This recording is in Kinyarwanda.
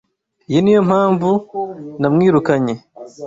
Iyi niyo mpamvu namwirukanye.